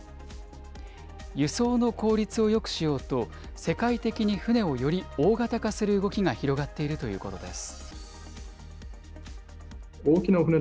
輸送の効率をよくしようと、世界的に船をより大型化する動きが広がっているということです。